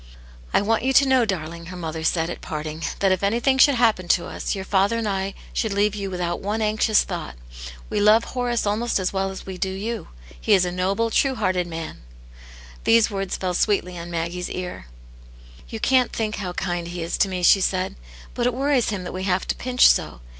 " I want you to know, darling," her mother said, at parting, " that if anything should happen to us, your father and I should leave you without one anxious thought. We love Horace almost as well as we do you ; he is a noble, true hearted man.*' These words fell Siweetly on Maggie's ear. '* You can't think how kind he is to me," she said. " But it worries him that we have to pinch so.